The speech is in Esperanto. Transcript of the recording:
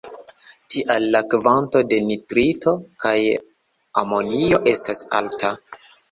Tial la kvanto de nitrito kaj amonio estas alta.